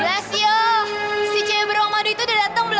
glacio si cewek beruang madu itu udah dateng belum